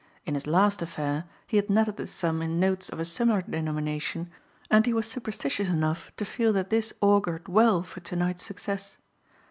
In his last affair he had netted this sum in notes of a similar denomination and he was superstitious enough to feel that this augured well for to night's success.